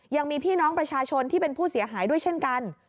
ยังมีพี่น้องประชาชนที่เป็นผู้เสียหายด้วยเช่นกัน